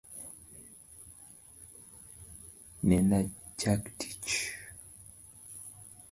Nena chack tich